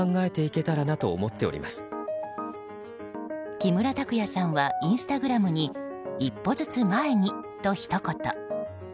木村拓哉さんはインスタグラムに一歩ずつ、前にとひと言。